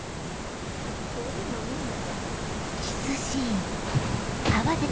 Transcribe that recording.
こういうの見るのか。